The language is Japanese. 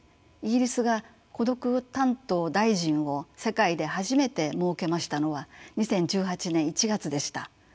イギリスが孤独担当大臣を世界で初めて設けましたのは２０１８年１月でした。